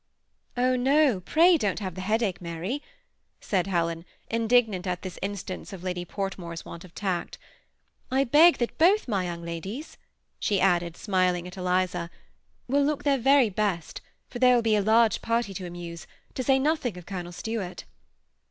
" Oh no, pray don't have the headache, Mary," said Helen, indignant at this instance of Lady Portmore's want of tact. '' I beg that both my young ladies,'^ she added, smiling at Eliza, '' will look their very best, for there will be a large party to amuse, to say nothing of Colonel Stuart."